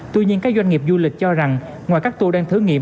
tuy nhiên các doanh nghiệp du lịch cho rằng ngoài các tour đang thử nghiệm